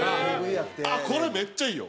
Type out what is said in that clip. あっこれめっちゃいいよ。